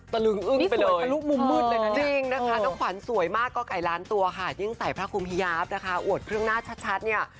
ตะลึงอึ้งไปเลยจริงนะคะน้องขวัญสวยมากกว่าไกลล้านตัวค่ะยิ่งใส่พระคุมพยาบนะคะอวดเครื่องหน้าชัดเนี่ย